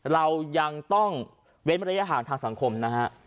เรายังต้องเว้นระยะห่างทางสังคมนะฮะ